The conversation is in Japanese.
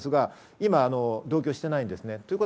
今は同居していないんですね。